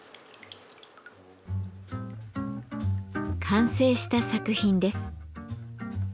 完成した作品です。